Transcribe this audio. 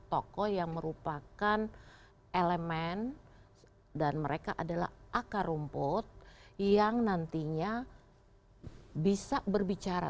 tokoh yang merupakan elemen dan mereka adalah akar rumput yang nantinya bisa berbicara